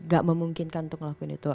gak memungkinkan untuk ngelakuin itu